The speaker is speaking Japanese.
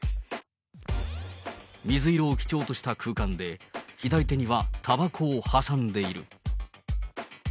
水色を基調とした空間で、左手にはたばこを挟んでいる。